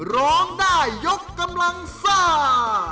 ร้องได้ยกกำลังซ่า